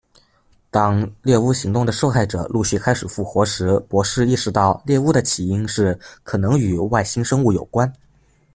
当猎巫行动的受害者陆续开始复活时，博士意识到猎巫的起因是可能与外星生物有关。